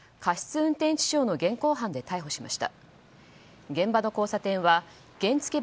運転致傷の現行犯で逮捕しました。